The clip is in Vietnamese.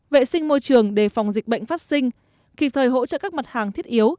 vệ sinh môi trường đề phòng dịch bệnh phát sinh kịp thời hỗ trợ các mặt hàng thiết yếu